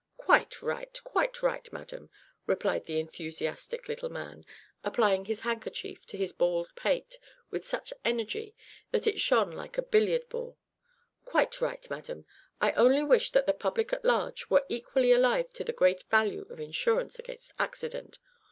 "Quite right, quite right, madam," replied the enthusiastic little man, applying his handkerchief to his bald pate with such energy that it shone like a billiard ball, "quite right, madam. I only wish that the public at large were equally alive to the great value of insurance against accident.